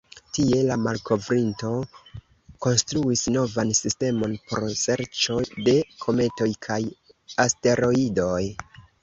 Tie, la malkovrinto konstruis novan sistemon por serĉo de kometoj kaj asteroidoj.